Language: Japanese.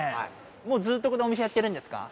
もうずっとここでお店やってるんですか？